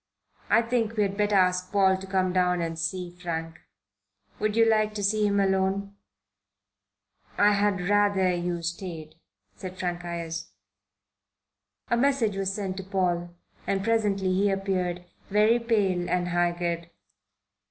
"I think we had better ask Paul to come down and see Frank. Would you like to see him alone?" "I had rather you stayed," said Frank Ayres. A message was sent to Paul, and presently he appeared, very pale and haggard.